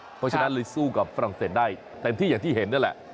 เพราะฉะนั้นเลยสู้กับฝรั่งเศสได้เต็มที่อย่างที่เห็นนั่นแหละ